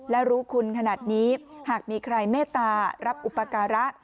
และรู้คุณขนาดนี้หากมีใครเมตตารับอุปการะ